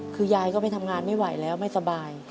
คือยายก็ไปทำงานไม่ไหวแล้วไม่สบาย